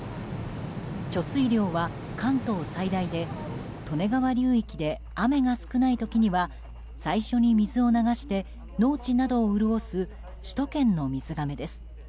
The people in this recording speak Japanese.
貯水量は関東最大で利根川流域で雨が少ない時には最初に水を流して農地などを潤す首都圏の水がめです。